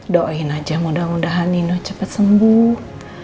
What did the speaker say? doain aja mudah mudahan nino cepat sembuh